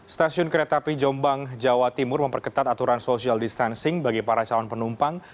stasiun kereta api jombang jawa timur memperketat aturan social distancing bagi para calon penumpang